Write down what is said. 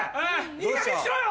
いいかげんにしろよ！